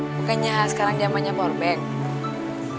bukannya sekarang zamannya powerbank